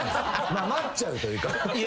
待っちゃうというか。